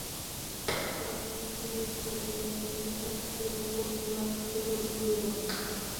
A raíz de esto, el material adquiere un corte más roquero y crudo.